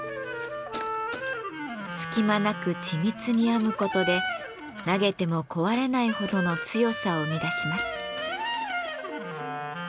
隙間なく緻密に編む事で投げても壊れないほどの強さを生み出します。